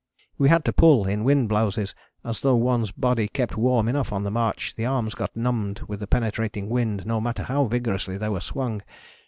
We had to pull in wind blouses, as though one's body kept warm enough on the march the arms got numbed with the penetrating wind no matter how vigorously they were swung.